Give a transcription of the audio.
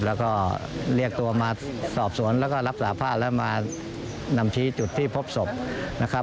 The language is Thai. แล้วก็เรียกตัวมาสอบสวนแล้วก็รับสาภาพแล้วมานำชี้จุดที่พบศพนะครับ